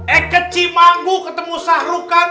eh keci manggu ketemu sahruka